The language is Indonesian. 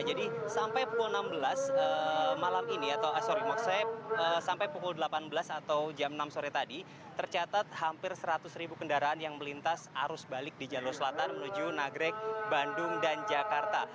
jadi sampai pukul delapan belas malam ini atau sorry sampai pukul delapan belas atau jam enam sore tadi tercatat hampir seratus ribu kendaraan yang melintas arus balik di jalur selatan menuju nagreg bandung dan jakarta